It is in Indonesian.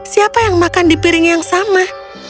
siapa yang makan di piring yang sama